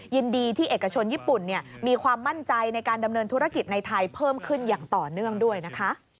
ยินดีที่เอกชนญี่ปุ่นมีความมั่นใจในการดำเนินธุรกิจในไทยเพิ่มขึ้นอย่างต่อเนื่องด้วยนะคะ